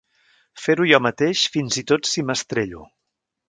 Fer-ho jo mateix fins i tot si m'estrello!